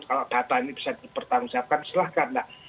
kalau data ini bisa dipertanggung jawabkan silahkan lah